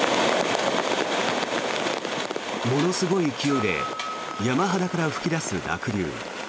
ものすごい勢いで山肌から噴き出す濁流。